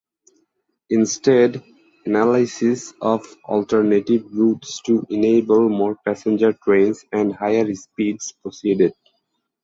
Instead, analysis of alternative routes to enable more passenger trains and higher speeds proceeded.